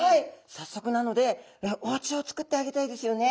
早速なのでおうちを作ってあげたいですよね。